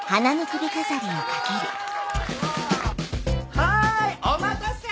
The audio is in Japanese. はいお待たせ！